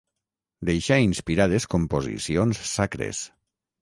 Deixà inspirades composicions sacres.